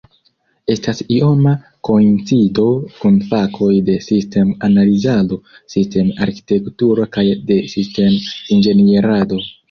Estas ioma koincido kun fakoj de sistem-analizado, sistem-arkitekturo kaj de sistem-inĝenierado.